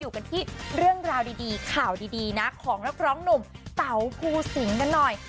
อยู่กันที่เรื่องราวดีข่าวดีนะของนักร้องหนุ่มเต๋าภูสิงกันหน่อย